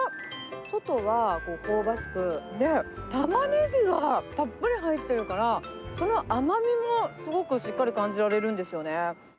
外は香ばしく、たまねぎがたっぷり入ってるから、その甘みもすごくしっかり感じら